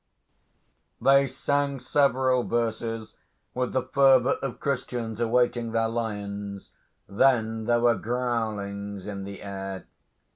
They sang several verses with the fervour of Christians awaiting their lions. Then there were growlings in the air.